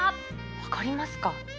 分かりますか？